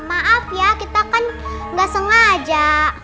maaf ya kita kan nggak sengaja